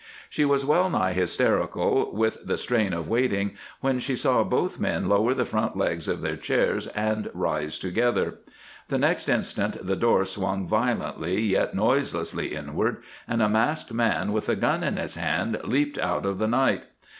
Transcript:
She was well nigh hysterical with the strain of waiting, when she saw both men lower the front legs of their chairs and rise together. The next instant the door swung violently yet noiselessly inward and a masked man with a gun in his hand leaped out of the night.